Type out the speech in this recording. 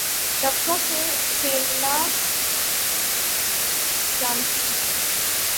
لفظوں سے کھیلنا جانتی ہے